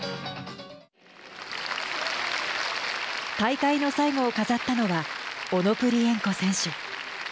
大会の最後を飾ったのはオノプリエンコ選手。